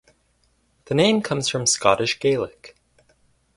The name comes from Scottish Gaelic.